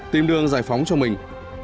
tìm đường giải phóng cho mình